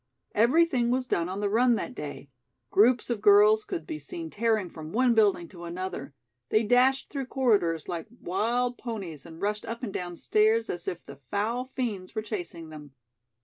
Everything was done on the run that day. Groups of girls could be seen tearing from one building to another. They dashed through corridors like wild ponies and rushed up and down stairs as if the foul fiends were chasing them.